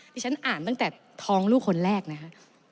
ที่ฉันอ่านตั้งแต่ท้องลูกคนแรกนะฮะ